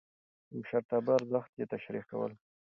د مشرتابه ارزښتونه يې تشريح کول.